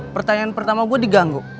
pertanyaan pertama gue diganggu